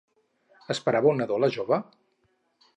Esperava un nadó la jove?